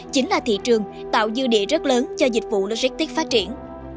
chính là thị trường tạo dư địa rất lớn cho dịch vụ logistics phát triển